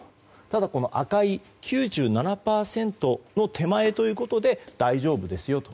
ただ、赤い９７％の手前ということで大丈夫ですよと。